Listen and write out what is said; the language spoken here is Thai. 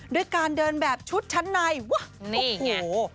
ด้วยการเดินแบบชุดชั้นในว่ะโอ้โห